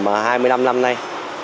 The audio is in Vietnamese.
tầm hai mươi năm năm nay